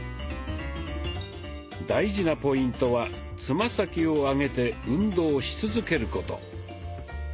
大事なポイントはつま先を上げて運動し続けること。